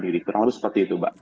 jadi terang terang seperti itu mbak